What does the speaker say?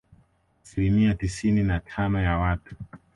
Asilimia tisini na tano ya watu